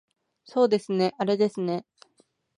そうですねあれですね